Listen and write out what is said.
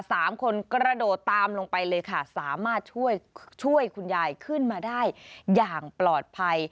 สามคนกระโดดตามลงไปเลยค่ะสามารถช่วยช่วยคุณยายขึ้นมาได้อย่างปลอดภัย